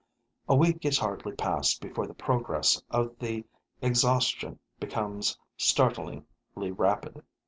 A week is hardly past before the progress of the exhaustion becomes startlingly rapid.